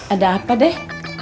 ada apa deh